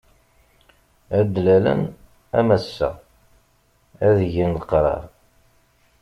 Ad d-lalen am ass-a, ad egen leqṛaṛ.